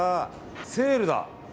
セールだ。